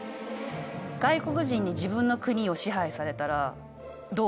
外国人に自分の国を支配されたらどう思うかな？